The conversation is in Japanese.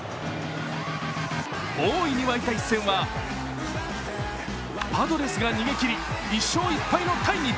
大いに沸いた一戦はパドレスが逃げ切り１勝１敗のタイに。